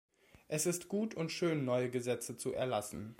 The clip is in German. Es ist gut und schön, neue Gesetze zu erlassen.